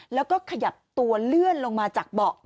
แล้วก็ขยับตัวเลื่อนลงมาจากเบาะ